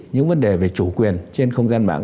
những vấn đề về chủ quyền trên không gian mạng